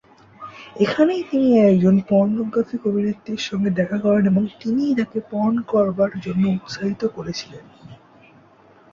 এখানেই তিনি একজন পর্নোগ্রাফিক অভিনেত্রীর সাথে দেখা করেন এবং তিনিই তাকে পর্ন করবার জন্য উৎসাহিত করেছিলেন।